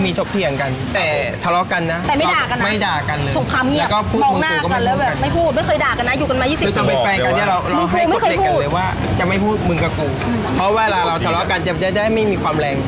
คือจะเป็นแปลงกันที่เราให้กดเล็กกันเลยว่าจะไม่พูดมึงกับกูเพราะเวลาเราทะเลาะกันจะได้ไม่มีความแรง